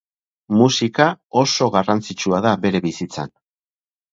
Musika oso garrantzitsua da bere bizitzan.